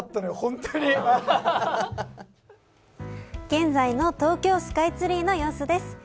現在の東京スカイツリーの様子です。